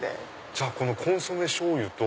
じゃあコンソメしょうゆと。